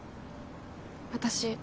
私